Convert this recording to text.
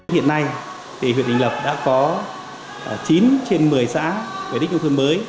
hiện nay huyện đình lập đã có chín trên một mươi xã về đích nông thôn mới